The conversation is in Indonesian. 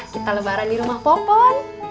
kita lebaran di rumah popon